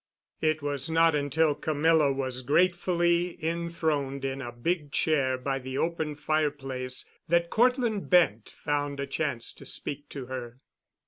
It was not until Camilla was gratefully enthroned in a big chair by the open fireplace that Cortland Bent found a chance to speak to her.